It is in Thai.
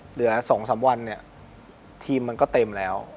เหลือ๒๓วันเนี่ยทีมมันก็เต็มแล้ว